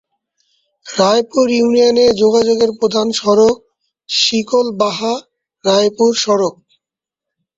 রায়পুর ইউনিয়নে যোগাযোগের প্রধান সড়ক শিকলবাহা-রায়পুর সড়ক।